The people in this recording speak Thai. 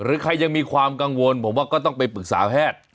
ใครยังมีความกังวลผมว่าก็ต้องไปปรึกษาแพทย์